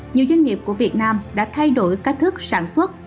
nhiều doanh nghiệp của việt nam đã thay đổi cách thức sản xuất